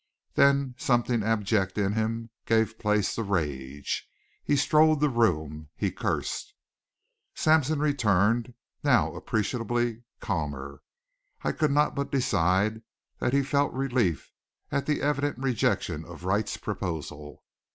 Then something abject in him gave place to rage. He strode the room; he cursed. Sampson returned, now appreciably calmer. I could not but decide that he felt relief at the evident rejection of Wright's proposal.